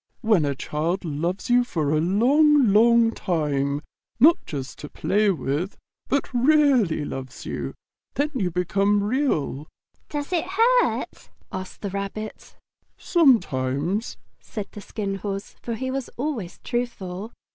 When a child loves you for a long, long time, not just to play with, but REALLY loves you, then you become Real." "Does it hurt?" asked the Rabbit. "Sometimes," said the Skin Horse, for he was always truthful.